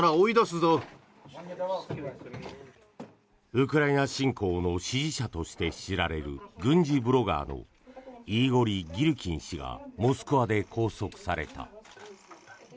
ウクライナ侵攻の支持者として知られる軍事ブロガーのイーゴリ・ギルキン氏がモスクワで拘束された。